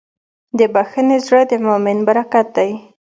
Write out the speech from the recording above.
د بښنې زړه د مؤمن برکت دی.